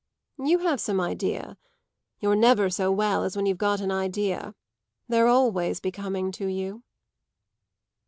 "You have some idea. You're never so well as when you've got an idea; they're always becoming to you."